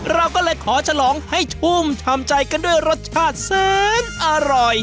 เราก็เลยขอฉลองให้ชุ่มชำใจกันด้วยรสชาติแสนอร่อย